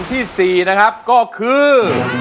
แผ่นที่๔นะครับก็คือ